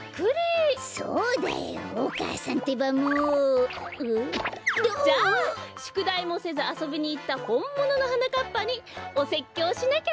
そうだよお母さんってばもう！ん？じゃあしゅくだいもせずあそびにいったほんもののはなかっぱにおせっきょうしなきゃねえ！